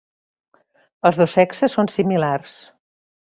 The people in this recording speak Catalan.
Els dos sexes són similars.